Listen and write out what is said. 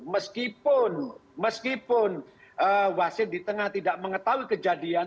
meskipun meskipun wasit di tengah tidak mengetahui kejadian